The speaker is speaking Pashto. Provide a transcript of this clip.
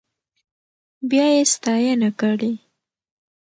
بيا يې ستاينه کړې.